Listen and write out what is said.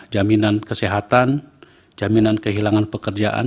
jaminan kesehatan jaminan kehilangan pekerjaan